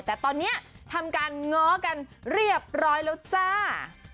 แต่ตอนนี้ทำการง้อกันเรียบร้อยแล้วจ้า